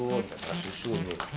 jangan terlalu susu